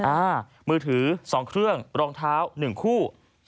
อ่ามือถือ๒เครื่องรองเท้า๑คู่